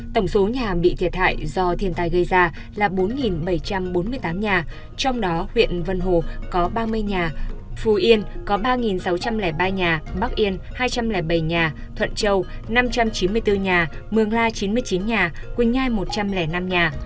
tổng số nhà bị thiệt hại do thiên tai gây ra là bốn bảy trăm bốn mươi tám nhà trong đó huyện vân hồ có ba mươi nhà phú yên có ba sáu trăm linh ba nhà bắc yên hai trăm linh bảy nhà thuận châu năm trăm chín mươi bốn nhà mường la chín mươi chín nhà quỳnh nhai một trăm linh năm nhà